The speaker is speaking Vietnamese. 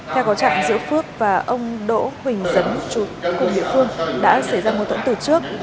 theo có trạng giữa phước và ông đỗ huỳnh dấn chú của địa phương đã xảy ra một tổn tử trước